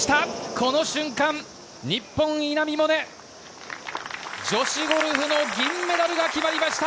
この瞬間、日本・稲見萌寧、女子ゴルフの銀メダルが決まりました。